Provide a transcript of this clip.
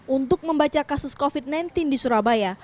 untuk membaca kasus covid sembilan belas di surabaya